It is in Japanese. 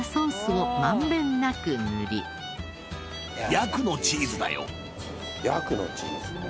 「ヤクのチーズね」